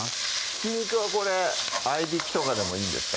ひき肉はこれ合いびきとかでもいいんですか？